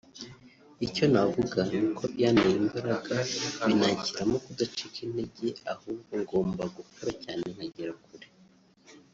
Icyo navuga ni uko byanteye imbaraga binanshyiramo kudacika intege ahubwo ngomba gukora cyane nkagera kure